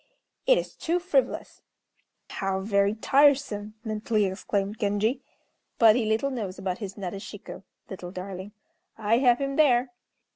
It is too frivolous!" "How very tiresome!" mentally exclaimed Genji; "but he little knows about his Nadeshiko (little darling). I have him there!"